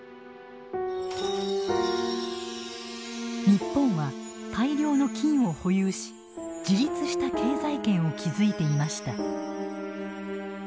日本は大量の金を保有し自立した経済圏を築いていました。